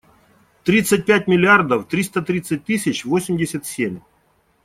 Тридцать пять миллиардов триста тридцать тысяч восемьдесят семь.